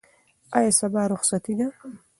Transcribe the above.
آیا سبا رخصتي ده؟